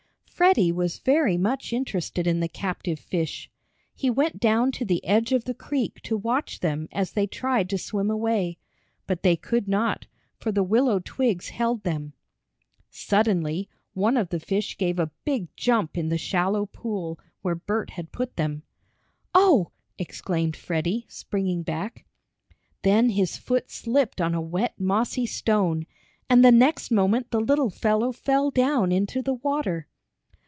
Freddie was very much interested in the captive fish. He went down to the edge of the creek to watch them as they tried to swim away. But they could not, for the willow twigs held them. Suddenly one of the fish gave a big jump in the shallow pool, where Bert had put them. "Oh!" exclaimed Freddie, springing back. Then his foot slipped on a wet, mossy stone, and the next moment the little fellow fell down into the water.